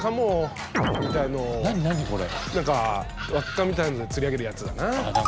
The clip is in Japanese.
輪っかみたいので釣り上げるやつだな。